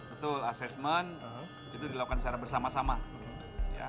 betul assessment itu dilakukan secara bersama sama ya